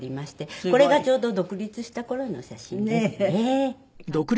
これがちょうど独立した頃の写真で。